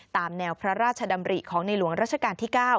ตามแนวพระราชดำริของในหลวงรัชกาลที่๙